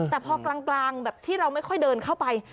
แต่พอกลางแบบที่เราไม่ค่อยเดินเข้าไป